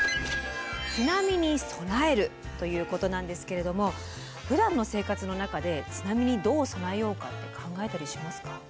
「津波に備える」ということなんですけれどもふだんの生活の中で津波にどう備えようかって考えたりしますか？